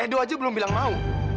edo aja belum bilang mau